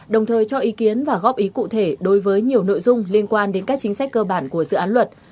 đồng thời cho ý kiến và góp ý cụ thể đối với nhiều nội dung liên quan đến các chính sách cơ bản của dự án luật